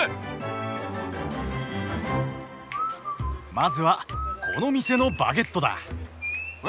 まずはこの店のバゲットだ。え？